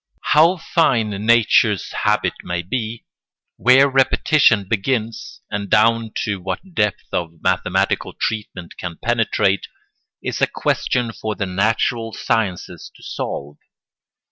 How fine nature's habits may be, where repetition begins, and down to what depth a mathematical treatment can penetrate, is a question for the natural sciences to solve.